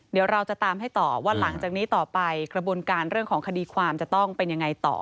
เดี๋ยวเราจะตามให้ต่อว่าหลังจากนี้ต่อไปกระบวนการเรื่องของคดีความจะต้องเป็นยังไงต่อ